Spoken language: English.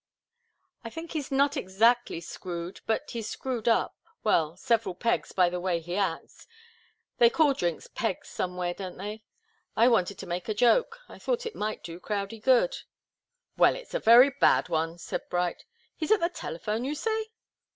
I think he's not exactly screwed but he's screwed up well, several pegs, by the way he acts. They call drinks 'pegs' somewhere, don't they? I wanted to make a joke. I thought it might do Crowdie good " "Well, it's a very bad one," said Bright. "He's at the telephone, you say?"